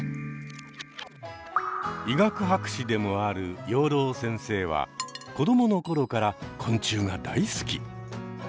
医学博士でもある養老先生は子どもの頃から昆虫が大好き！